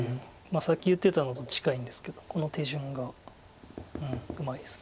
さっき言ってたのと近いんですけどこの手順がうまいです。